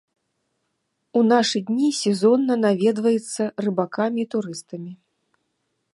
У нашы дні сезонна наведваецца рыбакамі і турыстамі.